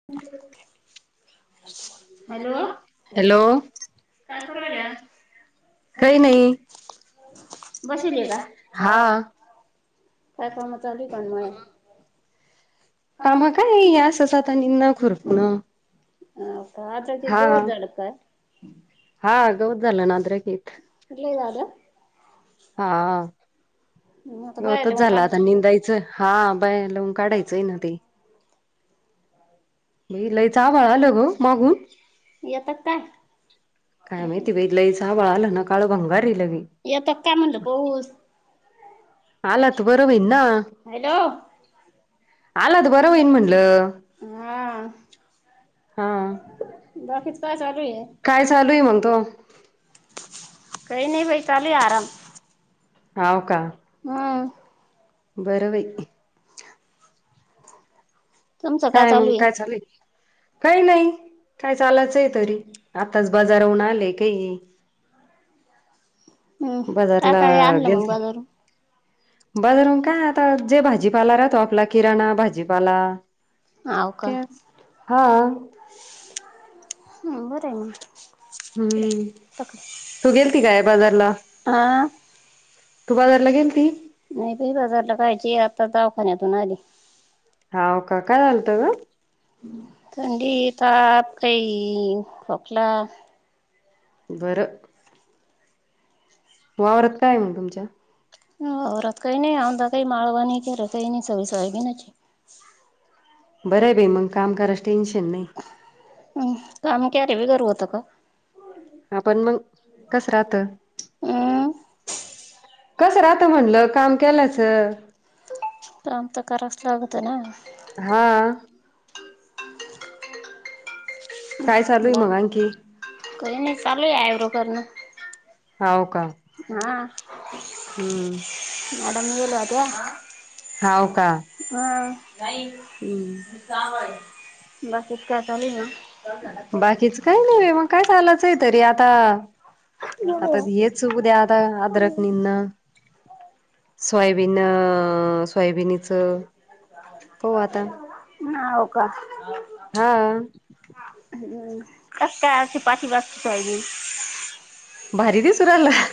[inaudible] Hello? Hello काय करू राहिल्या? काही नाही बसेल का हा. काय कामं चालूयेत पण मळ्यात? कामा काय या असच निंदन, खुरपण हा का आता गावात डझालं का? हा गवत झालं ना अद्रकीत. लई झालं? हा. मग आता बाहेर गवतच लावून झाल, काढू आता शकता निंदायचं हा बाया लावून काढायचंय ना ते. ये लईच आभाळ आलं ग मागून. येतात काय काय माहिती बे, लईच आभाळ आलं ना, काळ भंगार लइ येत का काय म्हणलं पाऊस? आला तर बर होईल ना हॅलो? आला बरं होईन म्हणलं. हा हा. बाकीचं काय चालूये? काय चालू आहे म्हणतो? काही नाही बाई चालूये आराम हाव का? हम्. बर बाई. तुमचं काय चालू मग आहे? काय चालूये? काही नाही, काय चालचये तरी, आताच बाजाराहून आले काही हम्म काय बाजारला काय आणलं गेल मग ती बाजारून? बाजारून काय आता जे भाजीपाला राहतो आपला किराणा भाजीपाला हो का? तेच हा बरं म हम्म तू गेलती काय बाजारला आ तू बाजारला गेलती. नाही बाई बाजारला जायची, आता दवाखान्यातून आली. हवं का? काय झालंत ग? थंडी, ताप काही खोकला बरं. वावरात काय ये मंग तुमच्या ह रतकाळी नाय आम काही माळवानी क रतय नाय सगळा सोयाबीनचं ये बरं आहे बाय मंग काम करायचं टेन्शन नाही. हम्म काम केल्या बिगर होत का. आपण मंग कस राहत. हम्म [unintelligible] कसं राहत म्हणलं काम केल्याचं काम त करावंच लागतं ना हा. काय चालू आहे मग बाक आणखी कय नाय चालू आयब्रो करण हाव का. हा. हूं मॅडम गेल्या त्या हाव का? हं हम्म. तिची जावं आले भरपूर कटाले बाई. बाकीच काय नाय मग काय चालायचय तरी आता आता मग हेच उद्या आता अदरक गेल्या निनंना सोयाबीन अ सोयाबीनीचं पाहू आता हो हा. हम्म कस काय आज ती पाटी मागची तयारी भारी दिसू रायल्या.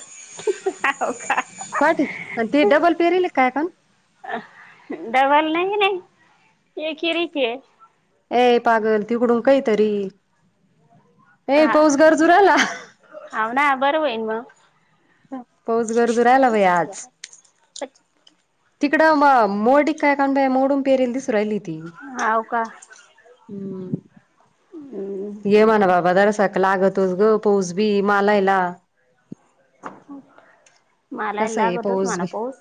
हाव का? पाठी आणि ते डबल पेरीले काय आता? डबल नाही नाही एकरीचेये ए पागल तिकडून काही तरी हा राहिला हावं ना बरं होईन मग पाऊस गरजू राहिला बाई आज [unintelligible] तिकडं म मोडिक काय काढु मोडून पेरल दिसू राहिली ती हाव का? हम्म हम्म येम्हणा माय बाघाय सा लागतोच ग पाऊस बी मालायला मळायला लागतोच म्हणा पाऊस.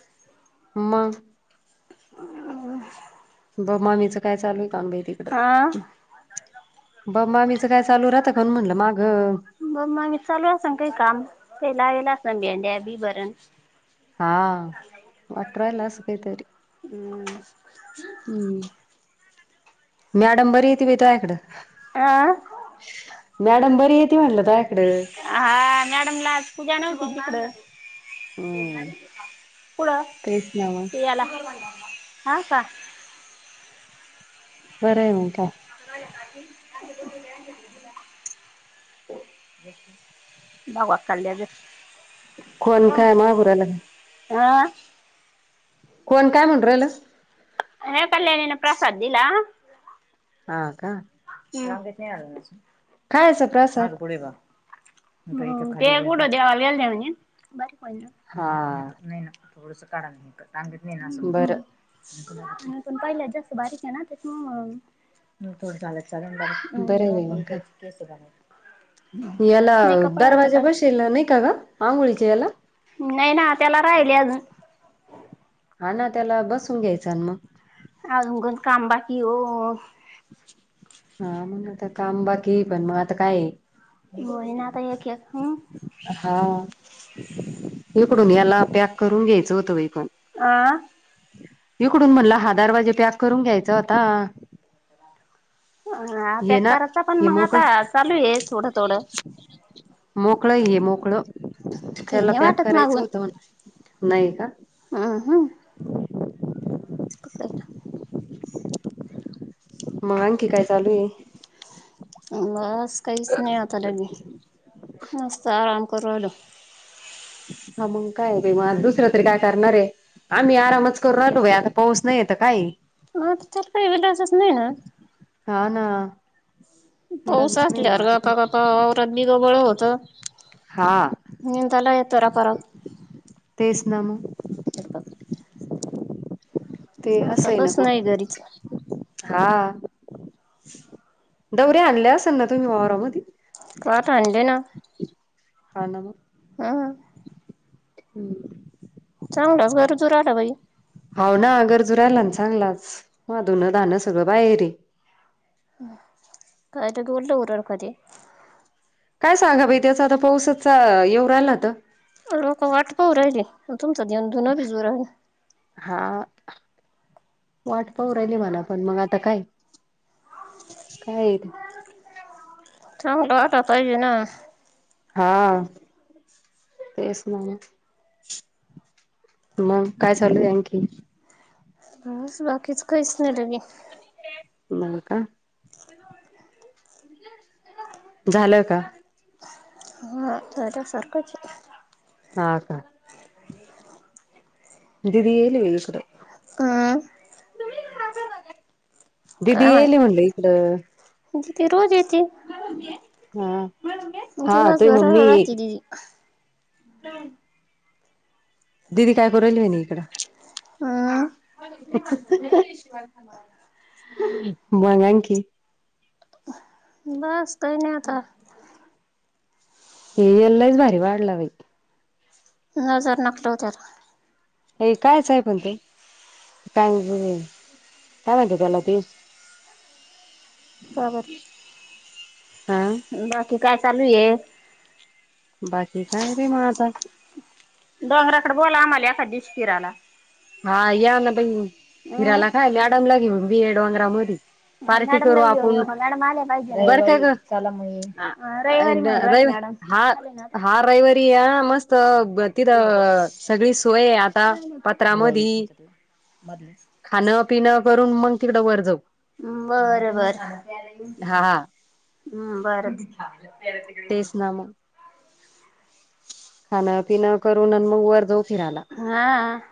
म अ ब ममीचं काय चालू हाय काय काम बय ते. आ. ब मामीच काय चालू राहत कमून म्हणलं माग ब मामी मी चालू आसन काई काम काई लाविल्या असन भेंड्या बी बरण. हा वाटरल असं काहीतरी. हम्म हम् मॅडम बरी येती तुझ्याकडं अ मॅडम बरी येती म्हणलं तुझ्याकडं हा मॅडमला आज पूजा नव्हती तिकड हम्म पुढ तेच ना मग याला [inaudible] हा का? बरं आहे मांग काय. [unintelligible] [unintelligible] डोका खाल्यागत कोण क काय मागू राहिलं काय आ कोण काय म्हणरल हे कल्यानीन प्रसाद दिला. हा का माग ते नाही आ खायचा माग प्रसाद पुढ बा. ते कुठं देवाला गेल त्या हा म्हणे थोडस काढा सांगत नाही ना असं. बरं आणि पण पहिल्या जास्त बारीक आहे ना त्या. बरं आहे बाई मग काय [inaudible] याला नाही कपाळावरच दरवाजा काढते बशीवला नाही का ग. आंघोळीच्या याला? नाही ना त्याला राहिले अजून. हा ना त्याला बसून घ्यायचां मग. आजून [inaudible] काम बाकी हो. हा मग आता काम बाकी आहे पण मग आता काय आहे. होई ना आता एक एक हम्म हा इकडून याला पॅक करून घ्यायचं होतं बाई पण. आ इकडून म्हणला हा दारवाजा पॅक करून घ्यायचा होता. हा ये पॅक ना करायचा पण हे मग मोकळ आता चालू आहे थोडं थोडं. मोकळ ये मोकळ काही त्याला नाही पॅक वाटत करायचं होत म्हटलं नाही का. हा हा [unintelligible] मग आणखी काय चालू आहे. बस काहीच नाही आता तरी मस्त आराम करू आलो. हा मग काय रे मग आज दुसरं तरी काय करणार आहे. आम्ही आरामच करू राहतो आहे बाई आता पाऊस नाही तर काय आहे. हा त्याला काय विलाजच. नाही ना. हा ना पाऊस इलाजच नाही मग असल्यावर आता गपा काय गपा आवरात [inaudible] होतं. हा निंतला येतो रपारप. तेच ना मग. ते आता असं आहे ना बस नाही मग घरीच हा. [unintelligible] दौऱ्या आणल्या असेल ना तुम्ही वावरामधे. वात आणले ना हा ना मग आह हम्म चांगलाच गरजू [unintelligible] भाई होना गरजू राहिलाच चांगलाच धून दानं सगळ बाहेरी आहे. काय तर [unintelligible] काय सांगा भाई त्याच आता पाऊसच येवू राहिलात. लोकं वाट पाहू राहिले मग तुमचं धुणं भिजू राहिलं. हा, वाट पाउ राहिली मला पण मग आता काय. [unintelligible] चांगल वाटाय पाहिजे ना हा तेच न्हव मग काय चालू आणखीन [unintelligible] बाकीच काहीच नाही [unintelligible] मला का? [inaudible] [inaudible] झालं का हा तर सारखचय. हा का. [inaudible] दीदी याय लागलीय इकड. हम्म तुम्ही दिदी यायली म्हणलं इकड. दीदी रोज येते हा हा दीवस तुही भर मम्मी ये. राहते दिदी. [inaudible] [inaudible] दिदी काय करोल होनी इकड हम्म [unintelligible] मग आणखी बस काही नाही आता. ये एल्लयंच भारी वाढलां बाई नजर नकल हो त्यां हे कायचं आहे पणं ते कांग कायं माहिती त्यांला ती ह [unintelligible] कांबरं हम्मं बाकी कायं चालूं ये बाकी कायं नाहीं मं आतां डोंगराकडे बोलवां आम्हांला एकां डिशी फिरायंला हां यां न बाई अं फिरायंला कायं मं मॅडमला घेऊन बी डोंगरा मधी मॅडमला घेऊन ये कां मॅडम आल्यां पाहिजे बरं काय रविवारी ग चला रविवारी म्हणूंन रवि राहिलें मॅडम हा अ ना हा रविवारी या मस्त तिथं सगळी सोय आहे आता [unintelligible] बुवांई पत्रामधी मध्येचं पिनां करूंन मंग तिकडं वरं जाऊं बरं बरं हा हा हम्मं बरं तेच ना मग खाणंपिनं करूंन आणि मंग वरं जाऊं फिरायंला हां